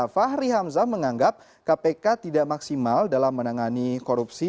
fahri hamzah menganggap kpk tidak maksimal dalam menangani korupsi